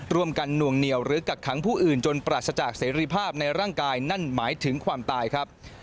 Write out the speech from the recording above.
หน่วงเหนียวหรือกักขังผู้อื่นจนปราศจากเสรีภาพในร่างกายนั่นหมายถึงความตายครับ